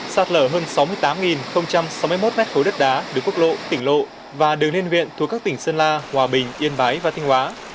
sạt lở hơn sáu mươi tám sáu mươi một m ba đất đá đường quốc lộ tỉnh lộ và đường liên huyện thuộc các tỉnh sơn la hòa bình yên bái và thanh hóa